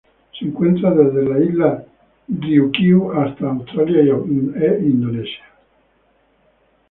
Se encuentra desde las Islas Ryukyu hasta Australia y Indonesia.